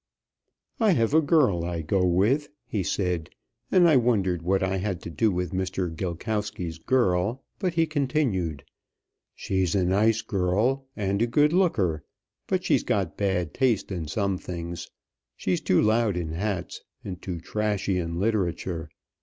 "I have a girl I go with," he said; and I wondered what I had to do with Mr. Gilkowsky's girl, but he continued: "She's a nice girl and a good looker, but she's got bad taste in some things. She's too loud in hats and too trashy in literature.